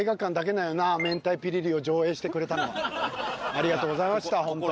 ありがとうございましたほんと。